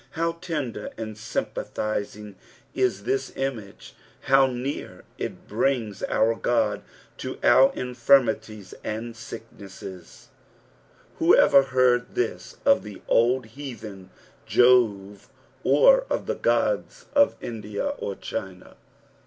How tender and sympathising is this image ; how near it brinKS our God to our iu&rmities and sicknesses I Whoever heard this of the old heathen Jove, or of the gods of India or China